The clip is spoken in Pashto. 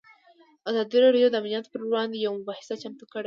ازادي راډیو د امنیت پر وړاندې یوه مباحثه چمتو کړې.